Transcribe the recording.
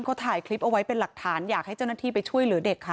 เขาถ่ายคลิปเอาไว้เป็นหลักฐานอยากให้เจ้าหน้าที่ไปช่วยเหลือเด็กค่ะ